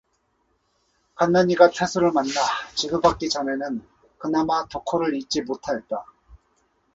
간난이가 태수를 만나 지도받기 전에는 그나마 덕호를 잊지 못하였다.